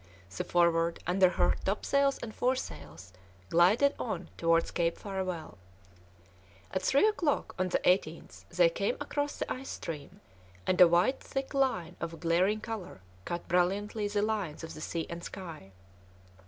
The Forward, under her topsails and foresails, glided on towards Cape Farewell. At three o'clock on the 18th they came across the ice stream, and a white thick line of a glaring colour cut brilliantly the lines of the sea and sky.